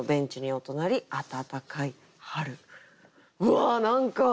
うわ！何か。